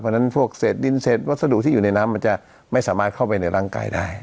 เพราะฉะนั้นพวกเศษดินเศษวัสดุที่อยู่ในน้ำมันจะไม่สามารถเข้าไปในร่างกายได้